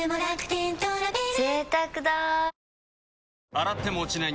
洗っても落ちない